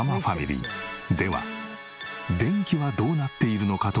では電気はどうなっているのかというと。